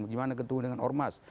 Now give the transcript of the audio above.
bagaimana ketemu dengan ormas